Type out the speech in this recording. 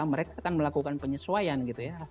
mereka akan melakukan penyesuaian gitu ya